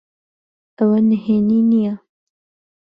ئەوە نهێنی نییە.